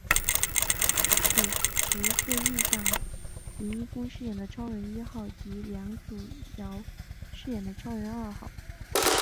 此时却遇上林一峰饰演的超人一号及梁祖尧饰演的超人二号。